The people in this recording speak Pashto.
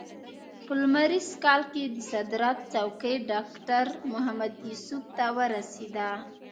په لمریز کال کې د صدارت څوکۍ ډاکټر محمد یوسف ته ورسېده.